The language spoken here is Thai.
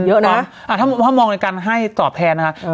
เยอะน่ะอ่ะถ้าถ้ามงการให้สอบแทนนะคะอืม